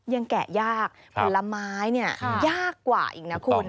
แกะยากผลไม้เนี่ยยากกว่าอีกนะคุณ